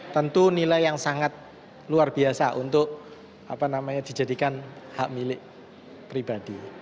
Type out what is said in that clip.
tentu nilai yang sangat luar biasa untuk dijadikan hak milik pribadi